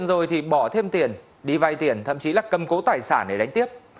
rồi thì bỏ thêm tiền đi vay tiền thậm chí là cầm cố tài sản để đánh tiếp